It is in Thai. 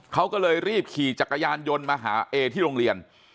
เขาก็เลยรีบขี่จักรยานยนต์มาหาเอที่โรงเรียน